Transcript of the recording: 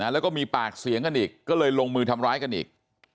แล้วก็มีปากเสียงกันอีกก็เลยลงมือทำร้ายกันอีก